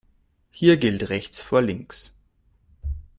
Hier gilt rechts vor links.